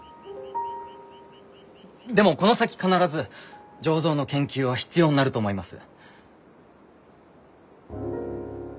でもこの先必ず醸造の研究は必要になると思います。